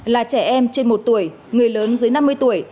là trẻ em trên một tuổi người lớn dưới năm mươi tuổi